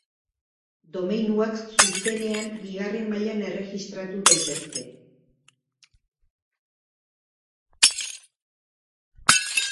Domeinuak zuzenean bigarren mailan erregistratu daitezke.